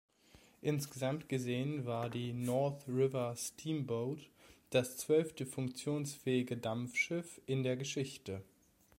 Insgesamt gesehen war die "North River Steamboat" das zwölfte funktionsfähige Dampfschiff in der Geschichte.